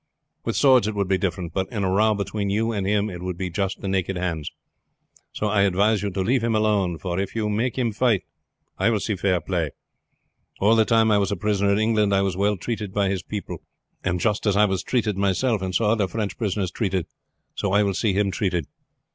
"With swords it would be different, but in a row between you and him it would be just the naked hands. So I advise you to leave him alone, for if you make him fight I will see fair play. All the time I was a prisoner in England I was well treated by his people, and just as I was treated myself and saw other French prisoners treated so I will see him treated.